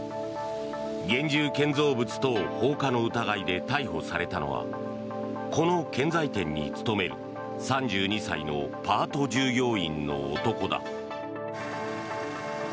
現住建造物等放火の疑いで逮捕されたのはこの建材店に勤める３２歳のパート従業員の男だ。